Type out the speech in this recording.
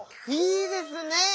いいですねぇ！